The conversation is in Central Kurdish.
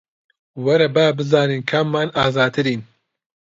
وەرە با بزانین کاممان ئازاترین